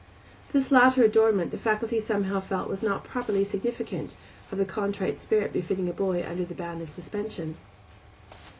This latter adornment the faculty somehow felt was not properly significant of the contrite spirit befitting a boy under the ban of suspension.